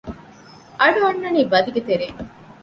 އަޑުއަންނަނީ ބަދިގެ ތެރެއިން